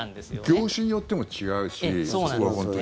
業種によっても違うしそこは本当に。